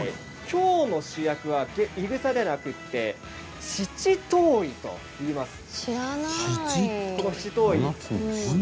今日の主役はいぐさではなくて七島藺といいます。